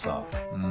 うん。